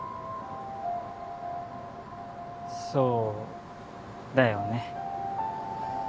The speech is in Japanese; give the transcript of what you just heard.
そうだよね。